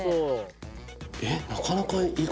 えっなかなかはい。